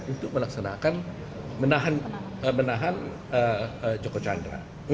untuk melaksanakan menahan joko chandra